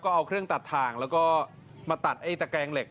เอาเครื่องตัดทางแล้วก็มาตัดไอ้ตะแกงเหล็ก